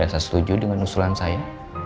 saya setuju dengan usulan saya